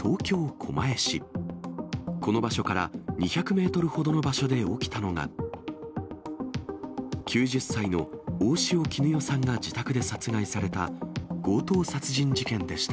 この場所から２００メートルほどの場所で起きたのが、９０歳の大塩衣与さんが自宅で殺害された強盗殺人事件でした。